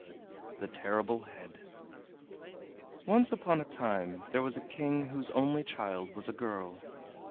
THE TERRIBLE HEAD Once upon a time there was a king whose only child was a girl.